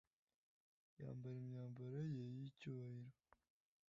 yambara imyambaro ye y’icyubahiro.